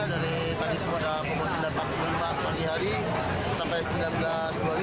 dari tadi ke pada pukul sembilan empat puluh lima pagi hari sampai sembilan belas dua puluh lima